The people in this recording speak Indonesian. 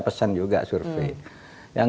pesan juga survei yang